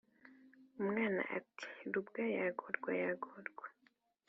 ” umwana ati “rubwa yagorwa yagorwa!